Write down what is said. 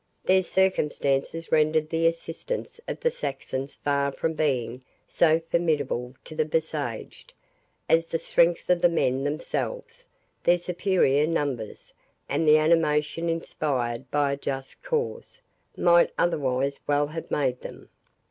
These circumstances rendered the assistance of the Saxons far from being so formidable to the besieged, as the strength of the men themselves, their superior numbers, and the animation inspired by a just cause, might otherwise well have made them.